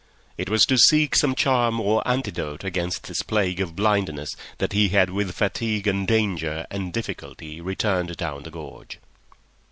It was to seek some charm or antidote against this plague of blindness that he had with fatigue and danger and difficulty returned down the gorge.